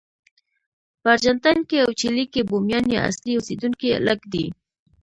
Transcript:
په ارجنټاین او چیلي کې بومیان یا اصلي اوسېدونکي لږ دي.